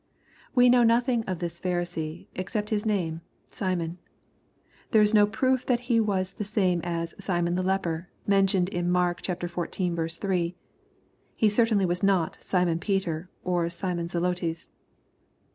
] We know nothing of this Pharisee, except his name, Simon. There is no proof that he was the same as " Simon the leper," mentioned in Mark xiv. 3. He certainly was not Simon Peter, or Simon Zdotes.